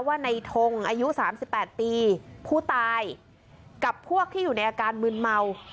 ว่าในทงอายุ๓๘ปีผู้ตายกับพวกที่อยู่ในอาการมืนเมา